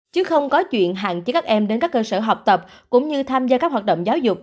chứ không có chuyện hạn chế các em đến các cơ sở học tập cũng như tham gia các hoạt động giáo dục